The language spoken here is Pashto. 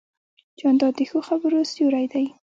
جانداد د ښو خبرو سیوری دی.